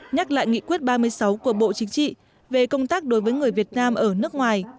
nhắc lại nghị quyết ba mươi sáu của bộ chính trị về công tác đối với người việt nam ở nước ngoài